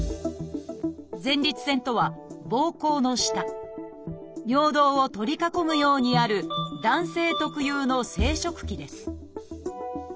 「前立腺」とはぼうこうの下尿道を取り囲むようにある男性特有の生殖器です